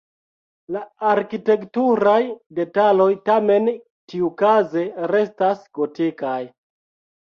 La arkitekturaj detaloj tamen tiukaze restas gotikaj.